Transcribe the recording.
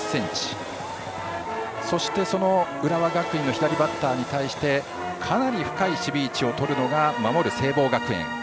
そして浦和学院の左バッターに対してかなり深い守備位置をとるのが守る聖望学園。